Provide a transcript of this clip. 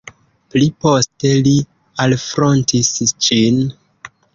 Pli poste li alfrontis ĝin.